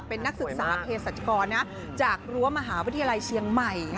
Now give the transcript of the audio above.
เป็นนักศึกษาเพศรัชกรจากรั้วมหาวิทยาลัยเชียงใหม่